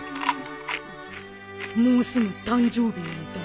もうすぐ誕生日なんだ。